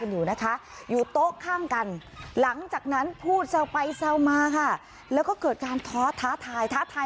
อยู่โต๊ะข้ามกันหลังจากนั้นพูดเศร้าไปเศร้ามาค่ะแล้วก็เกิดการท้อท้าทาย